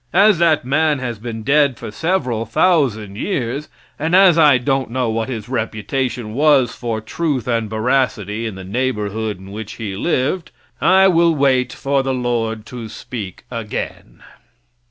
As that man has been dead for several thousand years, and as I don't know what his reputation was for truth and veracity in the neighborhood in which he lived, I will wait for the Lord to speak again.